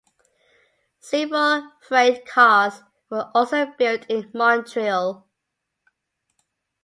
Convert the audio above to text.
Several freight cars were also built in Montreal.